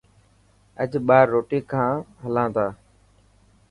اڄ ٻاهر روٽي کان هلا تا.